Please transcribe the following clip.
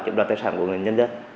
chiếm đoạt tài sản của người dân dân